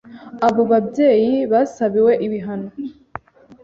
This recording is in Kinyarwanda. abo babyeyi basabiwe ibihano